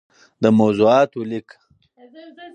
دموضوعاتو ليــک